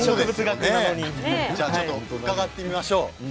伺っていきましょう。